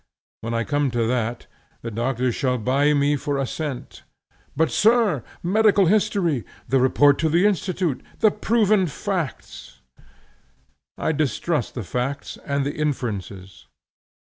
When I come to that, the doctors shall buy me for a cent. 'But, sir, medical history; the report to the Institute; the proven facts!' I distrust the facts and the inferences.